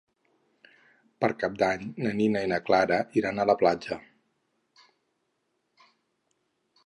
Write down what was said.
Per Cap d'Any na Nina i na Clara iran a la platja.